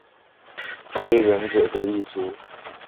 非人者的一族。